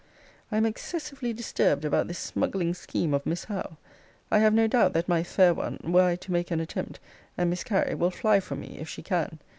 I am excessively disturbed about this smuggling scheme of Miss Howe. I have no doubt, that my fair one, were I to make an attempt, and miscarry, will fly from me, if she can.